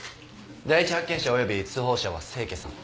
第一発見者および通報者は清家さん。